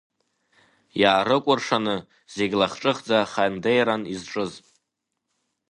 Иаарыкәыршаны зегь лахҿыхӡа хандеиран изҿыз…